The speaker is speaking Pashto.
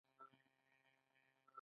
څېړونکو په دې برخه کې کار کړی.